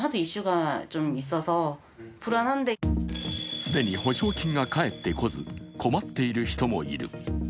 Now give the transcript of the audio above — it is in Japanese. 既に保証金が返ってこず困っている人もいる。